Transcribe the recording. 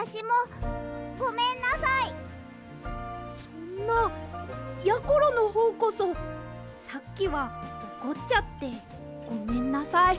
そんなやころのほうこそさっきはおこっちゃってごめんなさい。